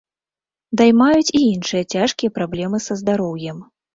Даймаюць і іншыя цяжкія праблемы са здароўем.